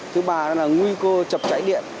thứ ba là nguy cơ chập cháy điện